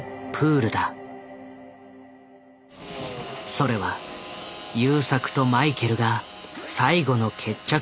それは優作とマイケルが最後の決着をつける